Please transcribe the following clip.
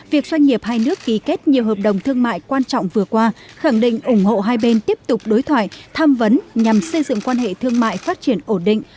việc doanh nghiệp hai nước ký kết nhiều hợp đồng thương mại quan trọng vừa qua khẳng định ủng hộ hai bên tiếp tục đối thoại tham vấn nhằm xây dựng quan hệ thương mại phát triển ổn định